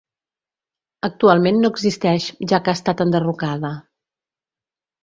Actualment no existeix, ja que ha estat enderrocada.